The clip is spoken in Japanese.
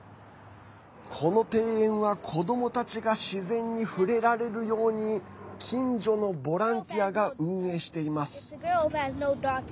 この庭園は、子どもたちが自然に触れられるように近所のボランティアが運営しています。